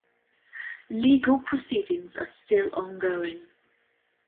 Legal proceedings are still ongoing.